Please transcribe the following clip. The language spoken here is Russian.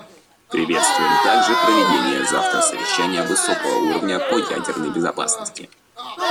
Приветствуем также проведение завтра Совещания высокого уровня по ядерной безопасности.